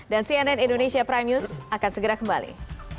dan cnn indonesia prime news akan segera kembali